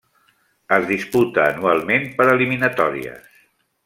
Es disputa anualment per eliminatòries.